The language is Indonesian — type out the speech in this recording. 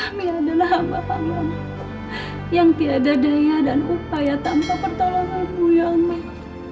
kami adalah hamba hamba yang tidak ada daya dan upaya tanpa pertolonganmu ya allah